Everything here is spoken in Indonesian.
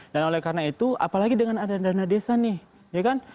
dan oleh karena itu apalagi dengan adanya dana desa nih ya kan